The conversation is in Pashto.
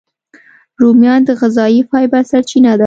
رومیان د غذایي فایبر سرچینه ده